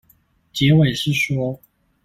結尾是說